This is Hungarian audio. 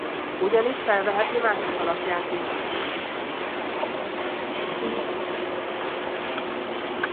Ugyanígy felveheti mások alakját is.